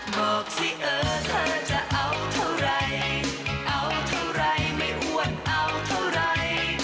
บอกสิเออเธอจะเอาเท่าไรเอาเท่าไรไม่อ้วนเอาเท่าไร